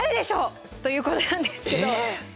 ということなんですけど。